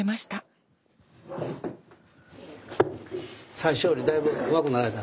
最初よりだいぶうまくなられた。